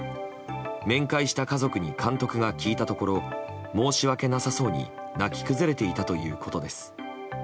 面会した家族に監督が聞いたところ申し訳なさそうに泣き崩れていたということです。